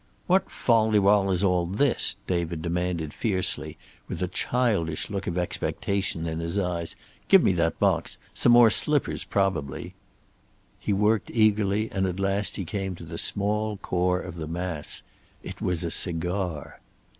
"What fol de rol is all this?" David demanded fiercely, with a childish look of expectation in his eyes. "Give me that box. Some more slippers, probably!" He worked eagerly, and at last he came to the small core of the mass. It was a cigar!